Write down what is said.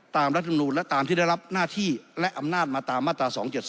ตามรัฐบินูนและตามทิศรัพย์หน้าที่และอำนาจมาตามมาตร๒๗๒